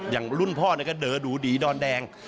อย่างรุ่นพ่อก็เดอดูดีดอนแดง